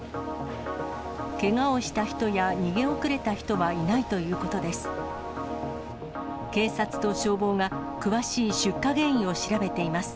けがをした人や逃げ遅れた人はいないということです。